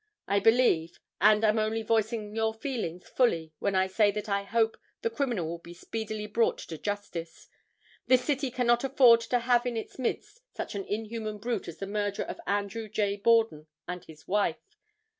I believe, and am only voicing your feelings fully when I say that I hope the criminal will be speedily brought to justice. This city cannot afford to have in its midst such an inhuman brute as the murderer of Andrew J. Borden and his wife.